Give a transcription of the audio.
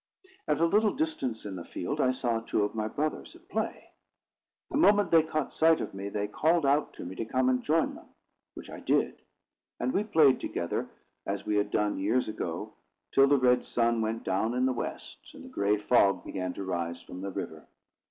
At a little distance in the field, I saw two of my brothers at play. The moment they caught sight of me, they called out to me to come and join them, which I did; and we played together as we had done years ago, till the red sun went down in the west, and the gray fog began to rise from the river.